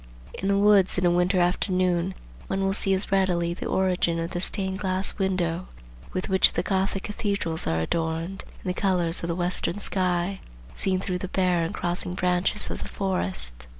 In the woods in a winter afternoon one will see as readily the origin of the stained glass window, with which the Gothic cathedrals are adorned, in the colors of the western sky seen through the bare and crossing branches of the forest.